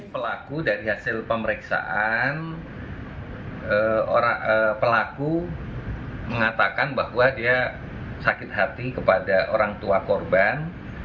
pelaku dari hasil pemeriksaan pelaku mengatakan bahwa dia sakit hati kepada orang tua korban